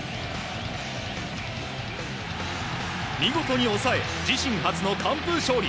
見事に抑え、自身初の完封勝利！